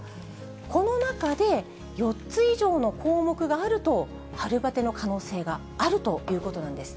この中で４つ以上の項目があると、春バテの可能性があるということなんです。